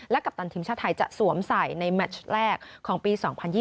กัปตันทีมชาติไทยจะสวมใส่ในแมชแรกของปี๒๐๒๐